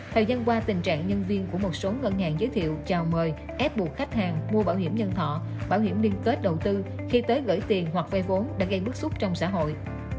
thời gian qua tình trạng nhân viên của một số ngân hàng giới thiệu chào mời ép buộc khách hàng mua bảo hiểm nhân thọ bảo hiểm liên kết đầu tư khi tới gửi tiền hoặc vây vốn đã gây bức xúc trong xã hội